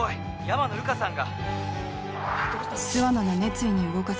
山野瑠香さんが！